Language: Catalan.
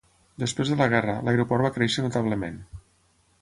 Després de la guerra, l'aeroport va créixer notablement.